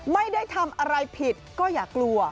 ไม่ได้ทำอะไรผิดก็อย่ากลัว